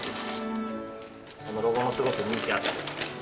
このロゴもすごく人気あって。